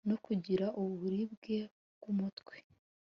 no kugira uburibwe bwumutwe